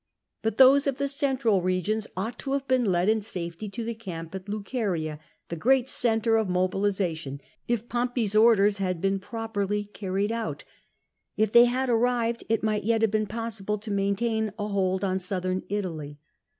But those of the central regions ought to have been led in safety to the camp at Luceria, the great centre of mobilisation, if Pompey's orders had been properly carried out. If they had arrived, it might yet have been possible to maintain a hold on Southern Italy.